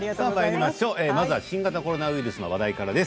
まずは新型コロナウイルスの話題からです。